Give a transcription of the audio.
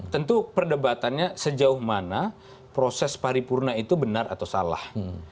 tentu perdebatannya sejauh mana proses paripurna itu benar atau salah